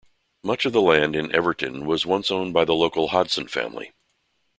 Much of the land in Everton was once owned by the local Hodson family.